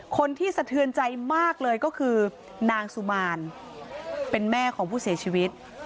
คนที่สะเทือนใจมากเลยก็คือนางสุมานเป็นแม่ของผู้เสียชีวิต